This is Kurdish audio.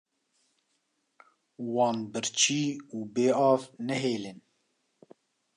Wan birçî û bêav nehêlin.